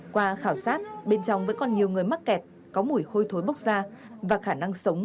qua khảo sát bên trong vẫn còn nhiều người mắc kẹt có mùi hôi thối bốc da và khả năng sống